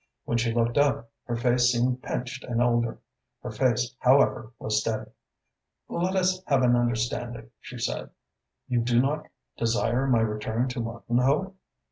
When she looked up, her face seemed pinched and older. Her voice, however, was steady. "Let us have an understanding," she said. "You do not desire my return to Martinhoe?"